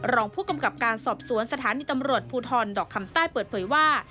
รองผู้กำกับการสอบสวนสถานีตำรวจภูทรดอกคำใต้เปิดเผยว่า